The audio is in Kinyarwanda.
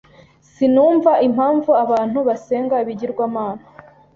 Sinumva impamvu abantu basenga ibigirwamana.